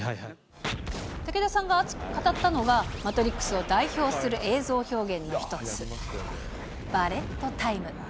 武田さんが熱く語ったのは、マトリックスを代表する映像表現の一つ、バレットタイム。